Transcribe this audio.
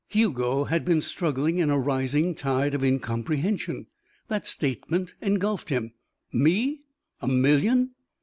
Hugo had been struggling in a rising tide of incomprehension; that statement engulfed him. "Me? A million?"